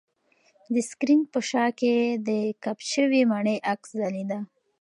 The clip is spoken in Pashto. د سکرین په شاه کې د کپ شوې مڼې عکس ځلېده.